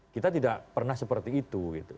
kita tidak pernah seperti itu